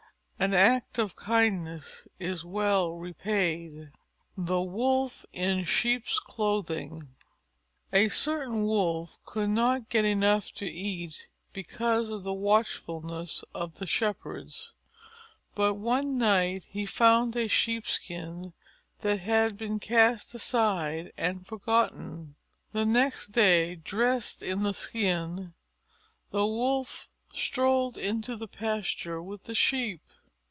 An act of kindness is well repaid. THE WOLF IN SHEEP'S CLOTHING A certain Wolf could not get enough to eat because of the watchfulness of the Shepherds. But one night he found a sheep skin that had been cast aside and forgotten. The next day, dressed in the skin, the Wolf strolled into the pasture with the Sheep.